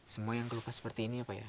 semua yang kelupas seperti ini ya pak ya